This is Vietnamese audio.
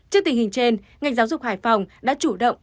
trước tình hình trên ngành giáo dục hải phòng đã chủ động